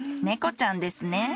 猫ちゃんですね。